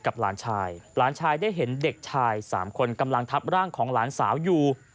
หลานชายหลานชายได้เห็นเด็กชายสามคนกำลังทับร่างของหลานสาวอยู่